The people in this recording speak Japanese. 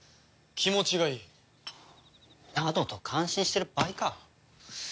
気持ちがいい。などと感心してる場合か！